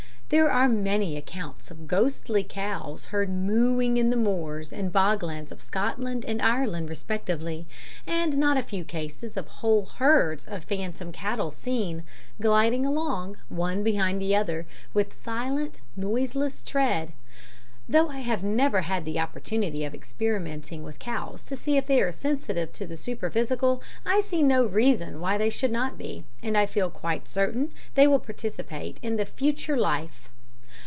There are many accounts of ghostly cows heard "mooing" in the moors and bog lands of Scotland and Ireland respectively, and not a few cases of whole herds of phantom cattle seen, gliding along, one behind the other, with silent, noiseless tread. Though I have never had the opportunity of experimenting with cows to see if they are sensitive to the superphysical, I see no reason why they should not be, and I feel quite certain they will participate in "the future life."